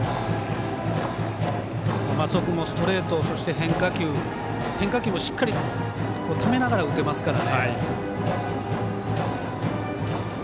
松尾君も、ストレート変化球、変化球もしっかりためながら打てますから。